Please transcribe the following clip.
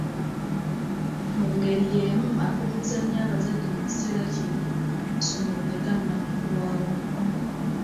Mu ngeri y'emu akubirizza nnyo abazadde mu kiseera kino ng'amasomero tegannaggulwawo